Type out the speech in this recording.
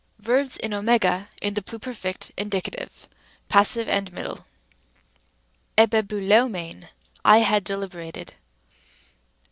Verbs in @, in the pluperfect, indicative, passive (and middle). [ἐβεβουλεύμην, I had deliberated.